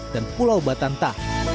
dan pulau batanta